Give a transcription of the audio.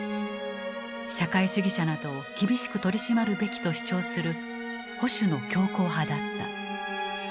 社会主義者などを厳しく取り締まるべきと主張する保守の強硬派だった。